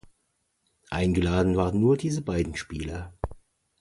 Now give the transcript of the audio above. Eingeladen waren nur diese beiden Spieler.